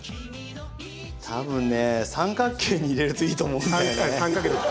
たぶんね三角形に入れるといいと思うんだよね。